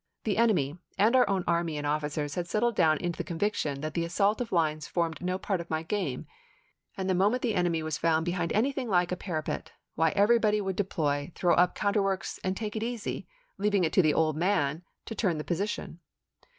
The enemy and our own army and officers had settled down into the conviction that the assault of lines Report formed no part of my game, and the moment the o°n craouct enemy was found behind anything like a parapet, ofi865 66.ar' why everybody would deploy, throw up counter sup'pie works, and take it easy, leaving it to the 'old man ' p. iu! to turn the position."